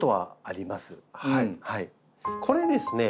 これですね